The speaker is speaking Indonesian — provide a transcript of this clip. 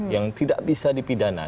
yang tidak bisa dipidana